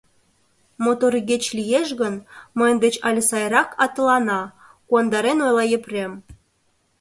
Мотор игече лиеш гын, мыйын деч але сайрак атылана, — куандарен ойла Епрем.